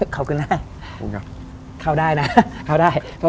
เข้าได้นะเที่ยว